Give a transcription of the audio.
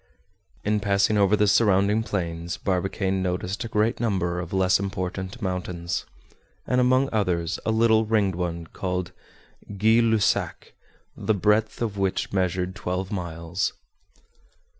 In passing over the surrounding plains, Barbicane noticed a great number of less important mountains; and among others a little ringed one called Guy Lussac, the breadth of which measured twelve miles.